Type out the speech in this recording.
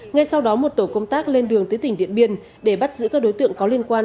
ngay sau đó một tổ công tác lên đường tới tỉnh điện biên để bắt giữ các đối tượng có liên quan